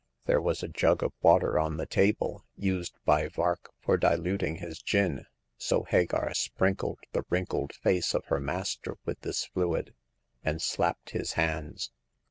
" There was a jug of water on the table, used by Vark for diluting his gin, so Hagar sprinkled the wrinkled face of her master with this fluid, and slapped his hands.